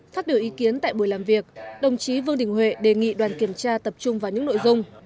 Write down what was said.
phát biểu ý kiến tại buổi làm việc đồng chí vương đình huệ đề nghị đoàn kiểm tra tập trung vào những nội dung